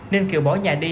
nên kiều bỏ nhà đi